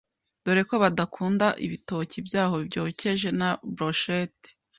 dore ko bakundaga ibitoki byaho byokeje na brosheti.